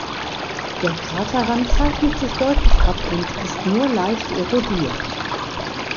Der Kraterrand zeichnet sich deutlich ab und ist nur leicht erodiert.